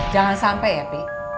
jangan sampai ya pi